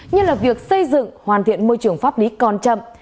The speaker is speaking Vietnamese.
như là việc xây dựng hoàn thiện môi trường pháp lý còn chậm